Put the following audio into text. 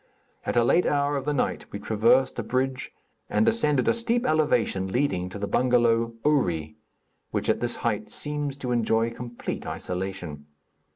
At a late hour of the night we traversed a bridge and ascended a steep elevation leading to the bengalow Ouri, which at this height seems to enjoy complete isolation.